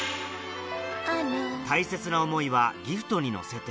大切は思いはギフトに乗せて